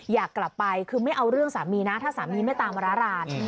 อยากกลับไปคือไม่เอาเรื่องสามีนะถ้าสามีไม่ตามมาร้าราน